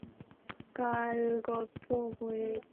বড়লোক হওয়ার কারণে সন্তানের প্রতি অবহেলার কথা গাল ভরে বলাবলি হয়।